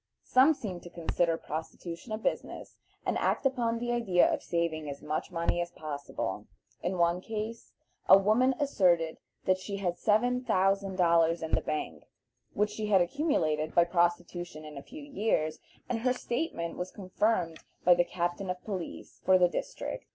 Some seem to consider prostitution a business, and act upon the idea of saving as much money as possible. In one case a woman asserted that she had seven thousand dollars in the bank, which she had accumulated by prostitution in a few years, and her statement was confirmed by the captain of police for the district.